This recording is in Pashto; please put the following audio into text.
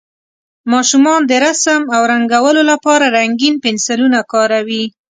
ماشومان د رسم او رنګولو لپاره رنګین پنسلونه کاروي.